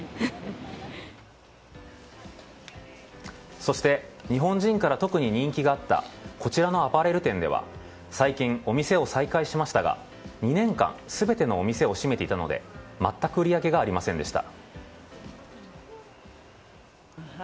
そして日本人から特に人気があったこちらのアパレル店では最近お店を再開しましたが２年間、全てのお店を閉めていたのでまったく売上がありませんでした。